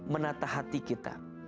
menatah hati kita